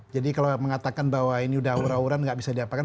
jadi kalau mengatakan bahwa ini sudah awuran awuran nggak bisa diapakan